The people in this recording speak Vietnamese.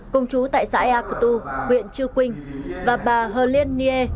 công chú tại xã ea cơ tu huyện chư quynh và bà hờ liên niê